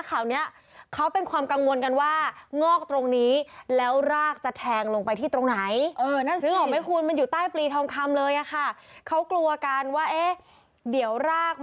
ข่าวนี้เขาเป็นความกังวลกันว่างอกตรงนี้แล้วรากจะแทงลงไปที่ตรงไหน